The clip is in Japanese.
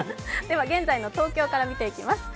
現在の東京から見ていきます。